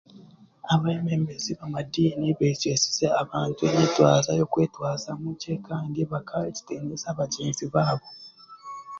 Abeebembezi b'amadiini b'egyesize abantu enyetwaza y'okwetwazamu gye kandi bakaha ekitinisa bagyenzi baabo